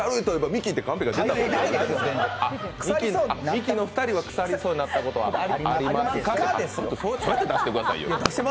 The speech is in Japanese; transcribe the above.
ミキの２人は腐りそうになったことはありますかって。